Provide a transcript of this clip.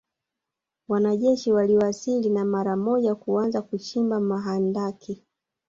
Wanajeshi waliwasili na mara moja kuanza kuchimba mahandaki